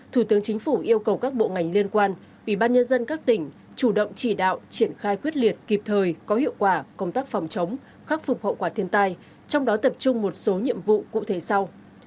thủ tướng chính phủ yêu cầu các bộ ngành liên quan ủy ban nhân dân các tỉnh chủ động chỉ đạo triển khai quyết liệt kịp thời có hiệu quả công tác phòng chống khắc phục hậu quả thiên tai trong đó tập trung một số nhiệm vụ cụ thể sau